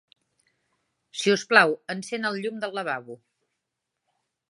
Si us plau, encén el llum del lavabo.